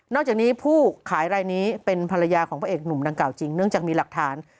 จากนี้ผู้ขายรายนี้เป็นภรรยาของพระเอกหนุ่มดังกล่าจริงเนื่องจากมีหลักฐาน